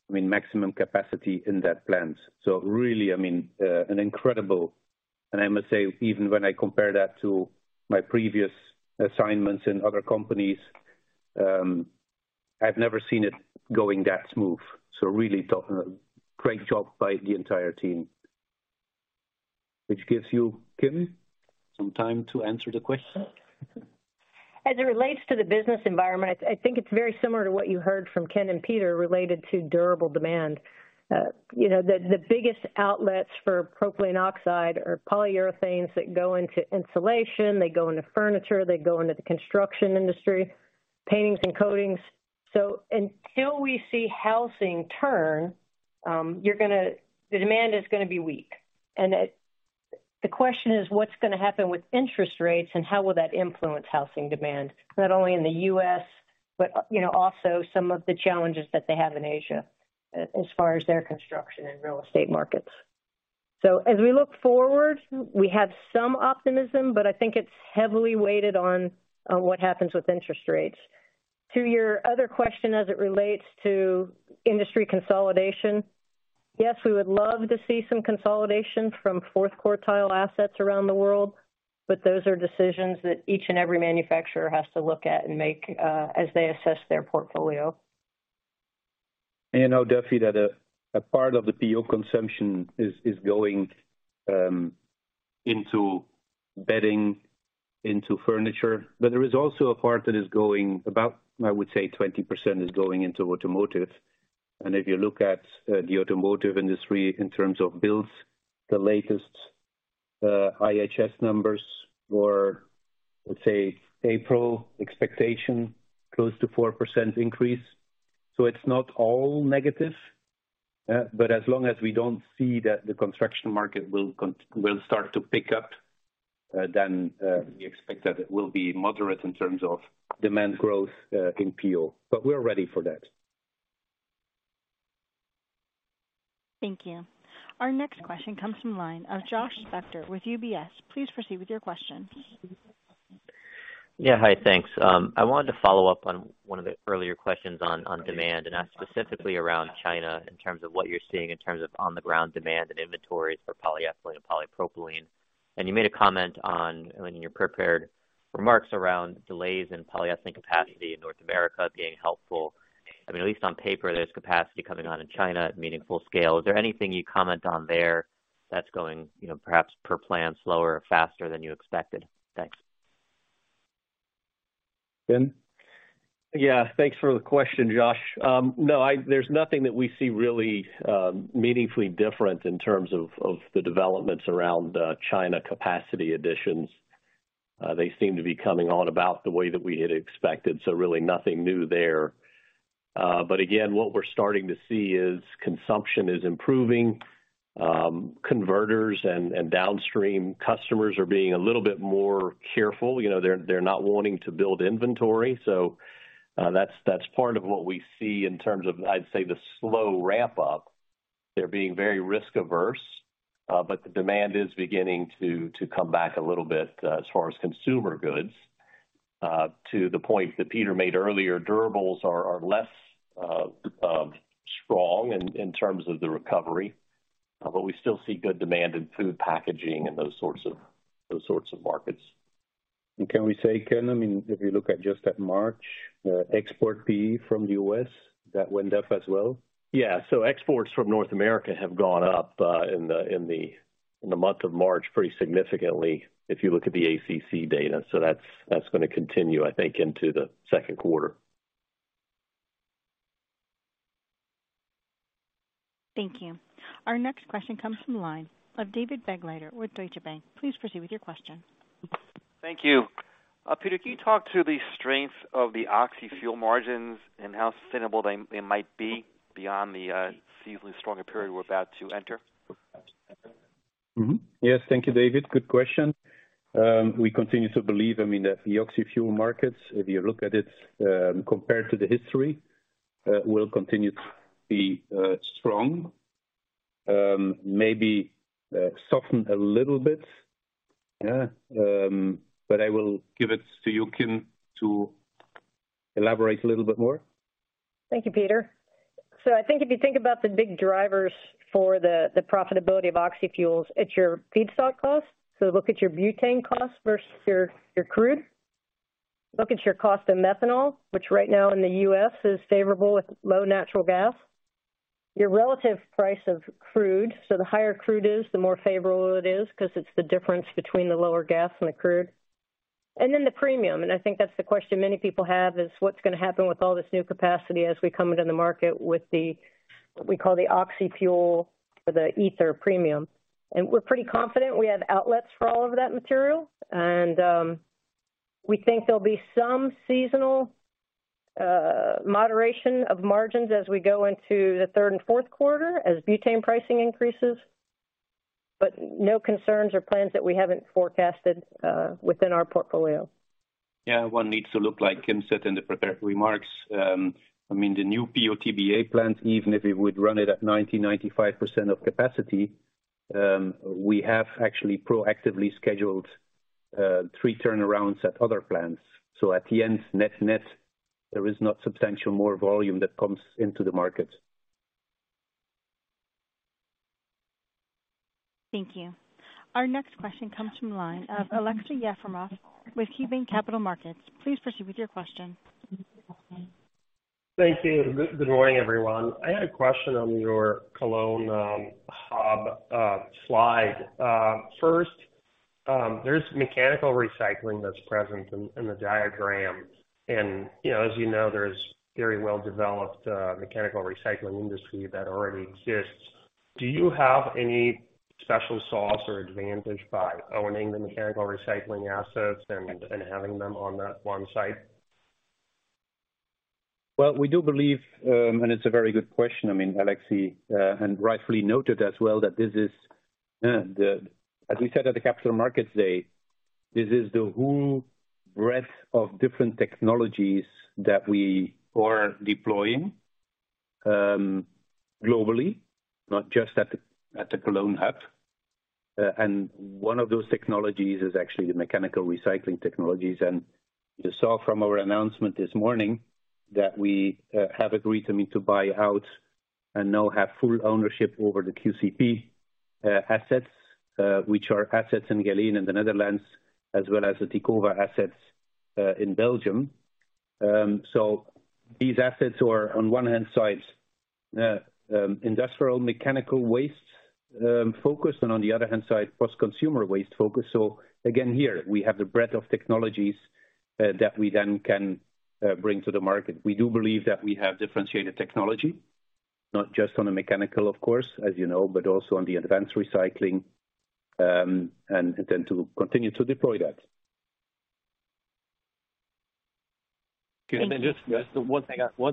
I mean, maximum capacity in that plant. Really, I mean, an incredible... I must say, even when I compare that to my previous assignments in other companies, I've never seen it going that smooth. Really, great job by the entire team. Which gives you, Kim, some time to answer the question. As it relates to the business environment, I think it's very similar to what you heard from Ken Lane and Peter Vanacker related to durable demand. You know, the biggest outlets for propylene oxide are polyurethanes that go into insulation, they go into furniture, they go into the construction industry, paintings and coatings. Until we see housing turn, the demand is gonna be weak. The question is what's gonna happen with interest rates and how will that influence housing demand? Not only in the U.S., but, you know, also some of the challenges that they have in Asia as far as their construction and real estate markets. As we look forward, we have some optimism, but I think it's heavily weighted on what happens with interest rates. To your other question, as it relates to industry consolidation, yes, we would love to see some consolidation from fourth quartile assets around the world. Those are decisions that each and every manufacturer has to look at and make, as they assess their portfolio. You know, Duffy, that part of the PO consumption is going into bedding, into furniture. There is also a part that is going about, I would say 20% is going into automotive. If you look at the automotive industry in terms of builds, the latest IHS numbers for, let's say, April expectation, close to 4% increase. It's not all negative, but as long as we don't see that the construction market will start to pick up, we expect that it will be moderate in terms of demand growth in PO. We're ready for that. Thank you. Our next question comes from line of Josh Spector with UBS. Please proceed with your question. Yeah. Hi. Thanks. I wanted to follow up on one of the earlier questions on demand and ask specifically around China in terms of what you're seeing in terms of on the ground demand and inventories for polyethylene and polypropylene. You made a comment on, in your prepared remarks around delays in polyethylene capacity in North America being helpful. I mean, at least on paper, there's capacity coming on in China at meaningful scale. Is there anything you comment on there that's going, you know, perhaps per plan, slower or faster than you expected? Thanks. Ken? Thanks for the question, Josh. There's nothing that we see really meaningfully different in terms of the developments around China capacity additions. They seem to be coming on about the way that we had expected, so really nothing new there. Again, what we're starting to see is consumption is improving. Converters and downstream customers are being a little bit more careful. You know, they're not wanting to build inventory. That's part of what we see in terms of, I'd say, the slow ramp up. They're being very risk averse, the demand is beginning to come back a little bit as far as consumer goods. To the point that Peter made earlier, durables are less strong in terms of the recovery, but we still see good demand in food packaging and those sorts of markets. Can we say, Ken, I mean, if you look at just at March, export PE from the U.S., that went up as well. Exports from North America have gone up in the month of March pretty significantly if you look at the ACC data. That's gonna continue, I think, into the second quarter. Thank you. Our next question comes from the line of David Begleiter with Deutsche Bank. Please proceed with your question. Thank you. Peter, can you talk to the strength of the oxy-fuel margins and how sustainable they might be beyond the seasonally stronger period we're about to enter? Mm-hmm. Yes. Thank you, David. Good question. We continue to believe, I mean, the oxy-fuel markets, if you look at it, compared to the history, will continue to be strong. Maybe soften a little bit. I will give it to you, Kim, to elaborate a little bit more. Thank you, Peter. I think if you think about the big drivers for the profitability of oxy-fuels, it's your feedstock cost. Look at your butane cost versus your crude. Look at your cost of methanol, which right now in the U.S. is favorable with low natural gas. Your relative price of crude, so the higher crude is, the more favorable it is 'cause it's the difference between the lower gas and the crude. The premium, and I think that's the question many people have, is what's gonna happen with all this new capacity as we come into the market with the, what we call the oxy-fuel or the ether premium. We're pretty confident we have outlets for all of that material. We think there'll be some seasonal moderation of margins as we go into the third and fourth quarter as butane pricing increases, but no concerns or plans that we haven't forecasted within our portfolio. Yeah. One needs to look, like Kim said in the prepared remarks. I mean, the new POTBA plant, even if it would run it at 90%, 95% of capacity, we have actually proactively scheduled, three turnarounds at other plants. At the end, net-net, there is not substantial more volume that comes into the market. Thank you. Our next question comes from the line of Aleksey Yefremov with KeyBanc Capital Markets. Please proceed with your question. Thank you. Good morning, everyone. I had a question on your Cologne hub slide. First, there's mechanical recycling that's present in the diagram. You know, as you know, there's very well-developed mechanical recycling industry that already exists. Do you have any special sauce or advantage by owning the mechanical recycling assets and having them on that one site? Well, we do believe, it's a very good question. I mean, Aleksey, and rightfully noted as well that this is As we said at the Capital Markets Day, this is the whole breadth of different technologies that we are deploying globally, not just at the Cologne hub. One of those technologies is actually the mechanical recycling technologies. You saw from our announcement this morning that we have agreed, I mean, to buy out and now have full ownership over the QCP assets, which are assets in Geleen in the Netherlands, as well as the Tivaco assets in Belgium. These assets are on one hand side, industrial mechanical waste focused, and on the other hand side, post-consumer waste focused. Again, here we have the breadth of technologies, that we can bring to the market. We do believe that we have differentiated technology, not just on a mechanical of course, as you know, but also on the advanced recycling, and intend to continue to deploy that. Can I just- Yes. One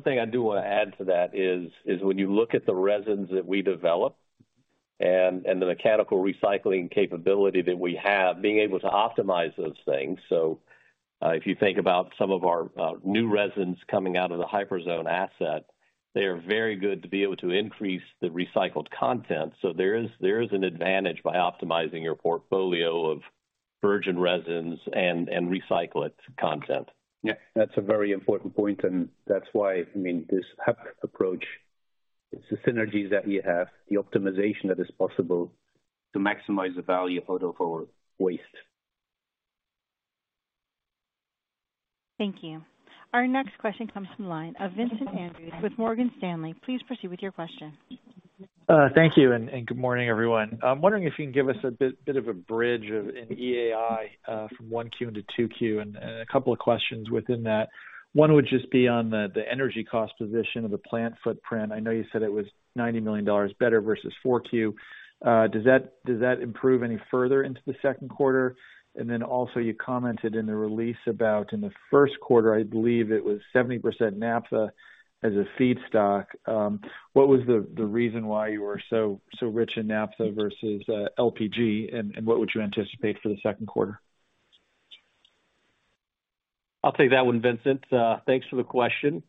thing I do wanna add to that is when you look at the resins that we develop and the mechanical recycling capability that we have, being able to optimize those things. If you think about some of our new resins coming out of the Hyperzone asset, they are very good to be able to increase the recycled content. There is an advantage by optimizing your portfolio of virgin resins and recycled content. Yeah. That's a very important point, and that's why, I mean, this hub approach, it's the synergies that we have, the optimization that is possible to maximize the value out of our waste. Thank you. Our next question comes from the line of Vincent Andrews with Morgan Stanley. Please proceed with your question. Thank you, and good morning, everyone. I'm wondering if you can give us a bit of a bridge of in EAI from 1Q into 2Q, and a couple of questions within that. One would just be on the energy cost position of the plant footprint. I know you said it was $90 million better versus 4Q. Does that improve any further into the second quarter? Also, you commented in the release about in the first quarter, I believe it was 70% naphtha as a feedstock. What was the reason why you were so rich in naphtha versus LPG, and what would you anticipate for the second quarter? I'll take that one, Vincent. Thanks for the question.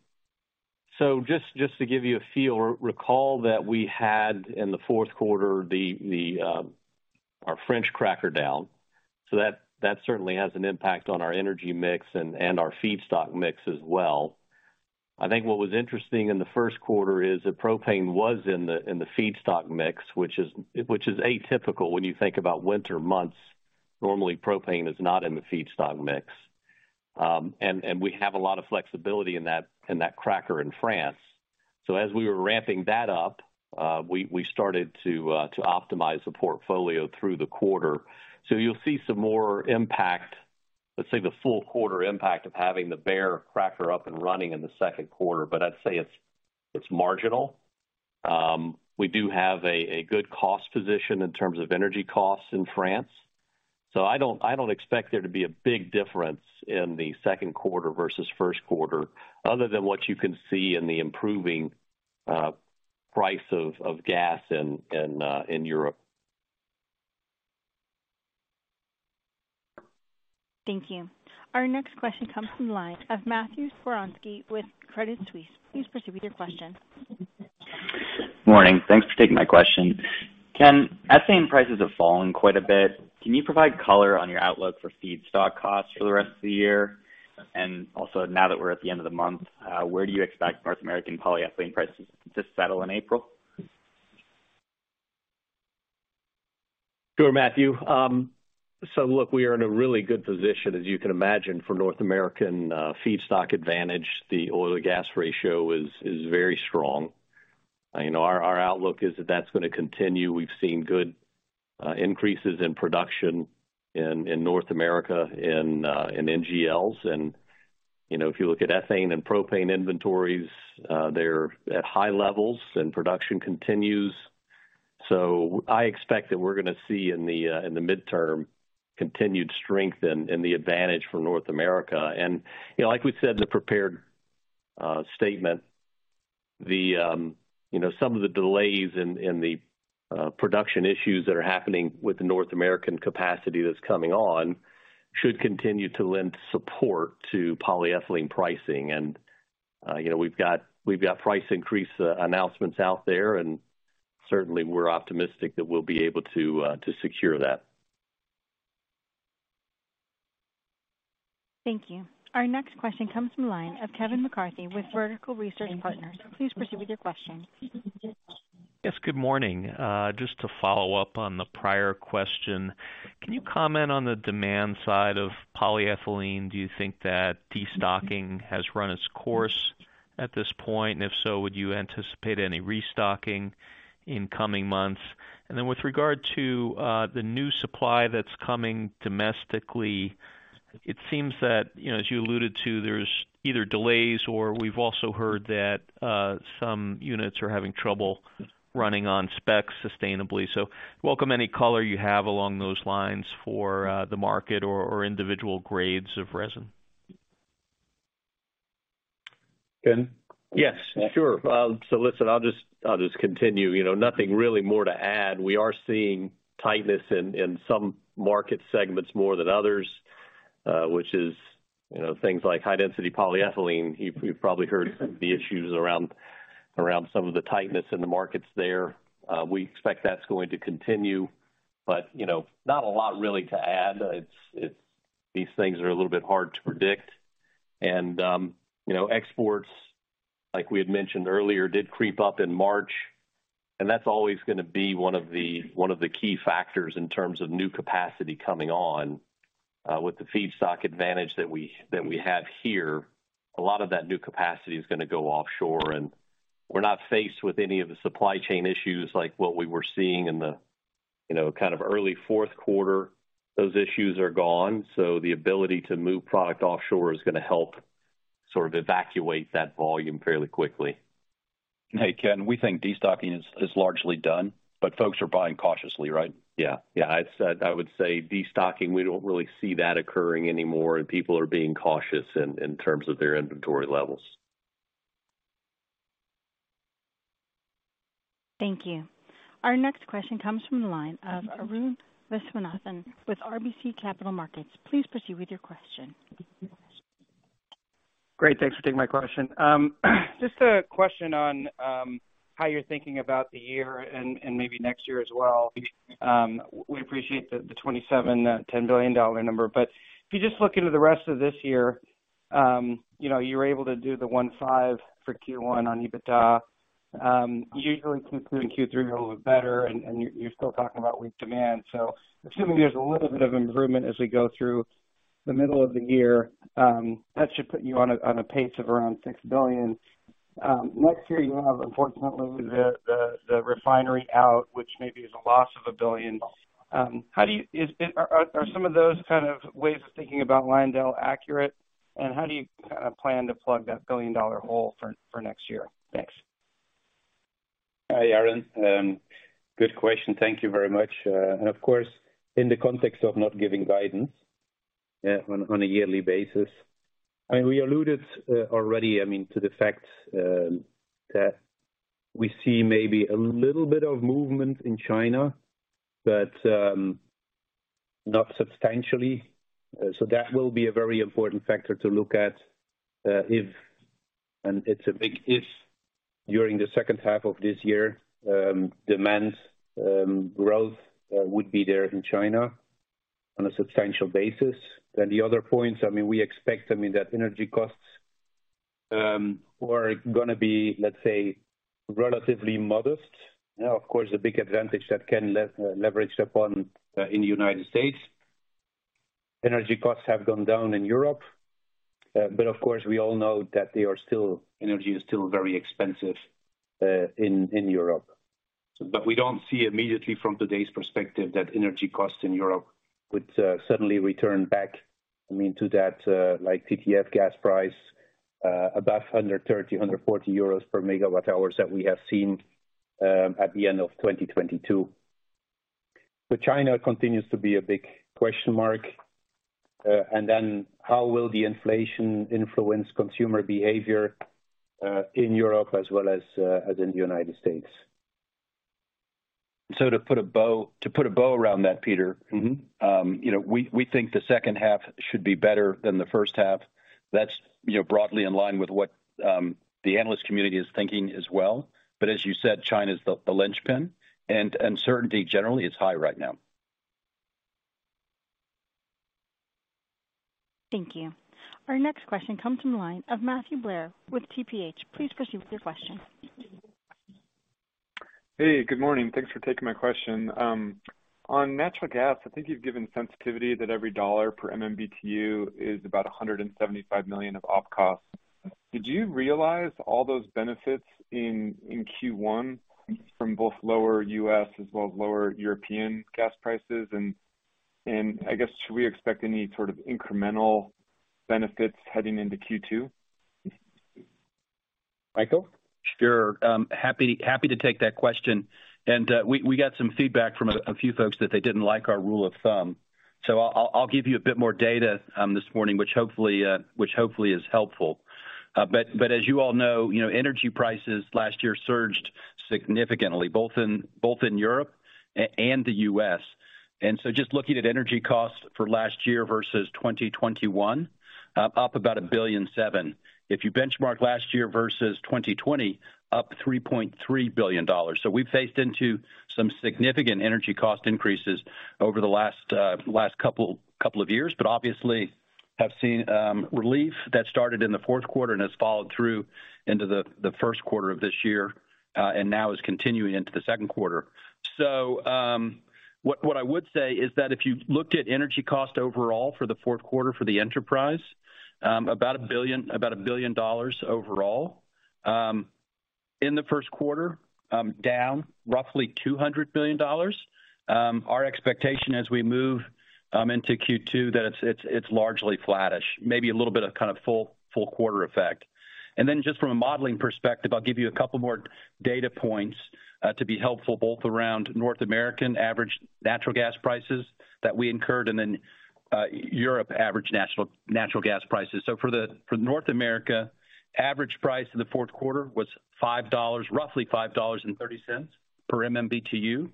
Just to give you a feel or recall that we had in the fourth quarter the, our French cracker down. That certainly has an impact on our energy mix and our feedstock mix as well. I think what was interesting in the first quarter is that propane was in the feedstock mix, which is atypical when you think about winter months. Normally, propane is not in the feedstock mix. And we have a lot of flexibility in that cracker in France. As we were ramping that up, we started to optimize the portfolio through the quarter. You'll see some more impact. Let's say the full quarter impact of having the Berre cracker up and running in the second quarter. I'd say it's marginal. We do have a good cost position in terms of energy costs in France. I don't expect there to be a big difference in the second quarter versus first quarter other than what you can see in the improving price of gas in Europe. Thank you. Our next question comes from the line of Matthew Skowronski with Credit Suisse. Please proceed with your question. Morning. Thanks for taking my question. Ken, ethane prices have fallen quite a bit. Can you provide color on your outlook for feedstock costs for the rest of the year? Now that we're at the end of the month, where do you expect North American polyethylene prices to settle in April? Sure, Matthew. Look, we are in a really good position, as you can imagine, for North American feedstock advantage. The oil to gas ratio is very strong. You know, our outlook is that that's gonna continue. We've seen good increases in production in North America in NGLs. You know, if you look at ethane and propane inventories, they're at high levels and production continues. I expect that we're gonna see in the, in the midterm continued strength in the advantage for North America. You know, like we said in the prepared statement, the, you know, some of the delays and the production issues that are happening with the North American capacity that's coming on should continue to lend support to polyethylene pricing. You know, we've got, we've got price increase announcements out there, and certainly we're optimistic that we'll be able to secure that. Thank you. Our next question comes from the line of Kevin McCarthy with Vertical Research Partners. Please proceed with your question. Yes, good morning. Just to follow up on the prior question, can you comment on the demand side of polyethylene? Do you think that destocking has run its course at this point? If so, would you anticipate any restocking in coming months? With regard to the new supply that's coming domestically, it seems that, you know, as you alluded to, there's either delays or we've also heard that some units are having trouble running on specs sustainably. Welcome any color you have along those lines for the market or individual grades of resin. Ken? Yes, sure. listen, I'll just continue. You know, nothing really more to add. We are seeing tightness in some market segments more than others, which is, you know, things like high density polyethylene. You've probably heard the issues around some of the tightness in the markets there. We expect that's going to continue, but you know, not a lot really to add. These things are a little bit hard to predict. exports, like we had mentioned earlier, did creep up in March, and that's always gonna be one of the key factors in terms of new capacity coming on with the feedstock advantage that we have here. A lot of that new capacity is gonna go offshore, and we're not faced with any of the supply chain issues like what we were seeing in the, you know, kind of early fourth quarter. Those issues are gone. The ability to move product offshore is gonna help sort of evacuate that volume fairly quickly. Hey, Ken, we think destocking is largely done, but folks are buying cautiously, right? Yeah. Yeah. I'd said I would say destocking, we don't really see that occurring anymore, and people are being cautious in terms of their inventory levels. Thank you. Our next question comes from the line of Arun Viswanathan with RBC Capital Markets. Please proceed with your question. Great. Thanks for taking my question. Just a question on how you're thinking about the year and maybe next year as well. We appreciate the 2027, $10 billion number, but if you just look into the rest of this year, you know, you're able to do the $1.5 billion for Q1 on EBITDA. Usually concluding Q3 a little bit better and you're still talking about weak demand. Assuming there's a little bit of improvement as we go through the middle of the year, that should put you on a pace of around $6 billion. Next year you have unfortunately the refinery out, which maybe is a loss of $1 billion. How do you... Are some of those kind of ways of thinking about Lyondell accurate, and how do you plan to plug that billion-dollar hole for next year? Thanks. Hi, Arun. Good question. Thank you very much. In the context of not giving guidance on a yearly basis. I mean, we alluded already, I mean, to the fact that we see maybe a little bit of movement in China, but not substantially. That will be a very important factor to look at if, and it's a big if, during the second half of this year, demand growth would be there in China on a substantial basis. The other points, I mean, we expect, I mean, that energy costs We're gonna be, let's say, relatively modest. You know, of course, a big advantage that can leverage upon in the United States. Energy costs have gone down in Europe. Of course, we all know that energy is still very expensive in Europe. We don't see immediately from today's perspective that energy costs in Europe would suddenly return back, I mean, to that like TTF gas price above under 30 euros, under EUR 40 per megawatt hours that we have seen at the end of 2022. China continues to be a big question mark. How will the inflation influence consumer behavior in Europe as well as in the United States. To put a bow around that, Peter. Mm-hmm. You know, we think the second half should be better than the first half. That's, you know, broadly in line with what the analyst community is thinking as well. As you said, China's the linchpin and uncertainty generally is high right now. Thank you. Our next question comes from the line of Matthew Blair with TPH&Co. Please proceed with your question. Hey, good morning. Thanks for taking my question. On natural gas, I think you've given sensitivity that every $1 per MMBTU is about $175 million of op costs. Did you realize all those benefits in Q1 from both lower US as well as lower European gas prices? And I guess, should we expect any sort of incremental benefits heading into Q2? Michael? Sure. happy to take that question. We got some feedback from a few folks that they didn't like our rule of thumb. I'll give you a bit more data this morning, which hopefully is helpful. But as you all know, energy prices last year surged significantly, both in Europe and the U.S. Just looking at energy costs for last year versus 2021, up about $1.7 billion. If you benchmark last year versus 2020, up $3.3 billion. We've faced into some significant energy cost increases over the last couple of years. Obviously have seen relief that started in the fourth quarter and has followed through into the first quarter of this year and now is continuing into the 2nd quarter. What I would say is that if you looked at energy cost overall for the fourth quarter for the enterprise, about $1 billion overall. In the first quarter, down roughly $200 billion. Our expectation as we move into Q2 that it's largely flattish, maybe a little bit of kind of full quarter effect. Then just from a modeling perspective, I'll give you a couple more data points to be helpful, both around North American average natural gas prices that we incurred and then Europe average natural gas prices. For North America, average price in the fourth quarter was $5, roughly $5.30 per MMBTU.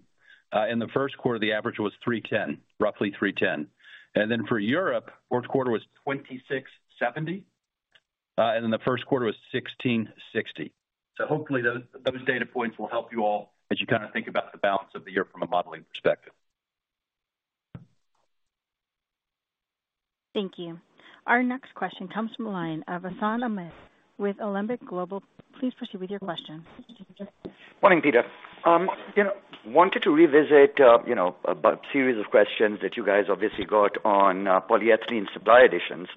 In the first quarter, the average was $3.10, roughly $3.10. For Europe, fourth quarter was 26.70, and then the first quarter was 16.60. Hopefully those data points will help you all as you kinda think about the balance of the year from a modeling perspective. Thank you. Our next question comes from the line of Hassan Ahmed with Alembic Global Advisors. Please proceed with your question. Morning, Peter. You know, wanted to revisit, you know, about series of questions that you guys obviously got on polyethylene supply additions.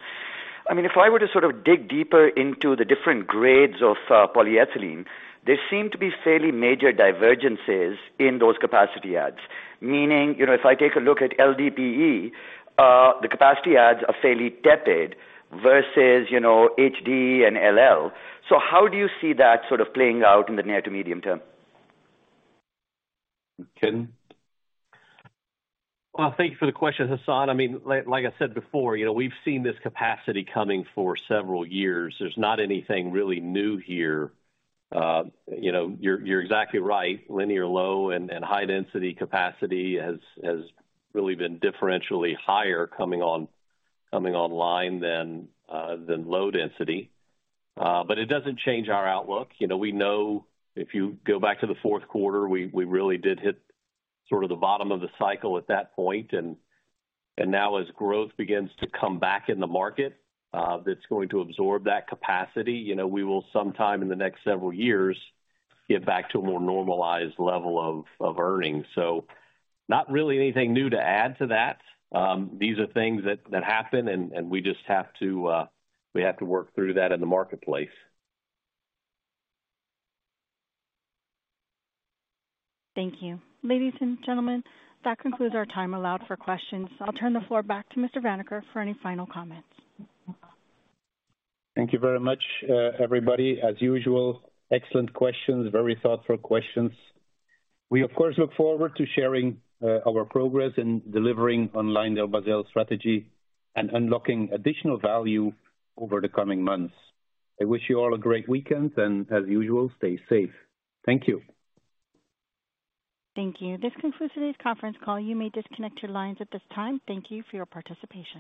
I mean, if I were to sort of dig deeper into the different grades of polyethylene, there seem to be fairly major divergences in those capacity adds. Meaning, you know, if I take a look at LDPE, the capacity adds are fairly tepid versus, you know, HD and LL. How do you see that sort of playing out in the near to medium term? Ken? Well, thank you for the question, Hassan. I mean, like I said before, you know, we've seen this capacity coming for several years. There's not anything really new here. You know, you're exactly right. Linear low and high density capacity has really been differentially higher coming online than low density. It doesn't change our outlook. You know, we know if you go back to the fourth quarter, we really did hit sort of the bottom of the cycle at that point. Now as growth begins to come back in the market, that's going to absorb that capacity. You know, we will sometime in the next several years get back to a more normalized level of earnings. Not really anything new to add to that. These are things that happen and we just have to work through that in the marketplace. Thank you. Ladies and gentlemen, that concludes our time allowed for questions. I'll turn the floor back to Mr. Vanacker for any final comments. Thank you very much, everybody. As usual, excellent questions. Very thoughtful questions. We of course look forward to sharing, our progress in delivering online the LyondellBasell strategy and unlocking additional value over the coming months. I wish you all a great weekend, as usual, stay safe. Thank you. Thank you. This concludes today's conference call. You may disconnect your lines at this time. Thank you for your participation.